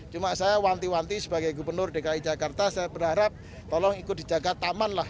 cuma saya wanti wanti sebagai gubernur dki jakarta saya berharap tolong ikut dijaga taman lah